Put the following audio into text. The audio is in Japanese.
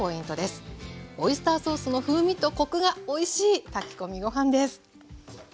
オイスターソースの風味とコクがおいしい炊き込みご飯です。